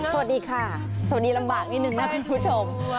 สวัสดีค่ะสวัสดีลำบากนิดนึงนะคุณผู้ชม